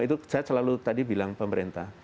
itu saya selalu tadi bilang pemerintah